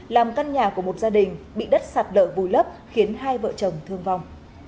làm căn nhà của một gia đình bị đất sạt lở vùi lấp khiến hai vợ chồng thương vong